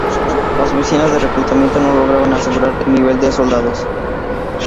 Las oficinas de reclutamiento no lograban asegurar su nivel de soldados.